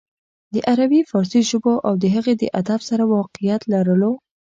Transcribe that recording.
د عربي فارسي ژبو او د هغې د ادب سره واقفيت لرلو